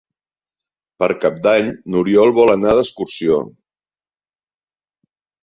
Per Cap d'Any n'Oriol vol anar d'excursió.